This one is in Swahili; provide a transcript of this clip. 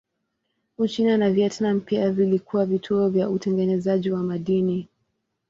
Uchina na Vietnam pia vilikuwa vituo vya utengenezaji wa madini.